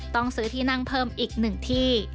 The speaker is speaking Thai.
ต้องซื้อที่นั่งเพิ่มอีก๑ที่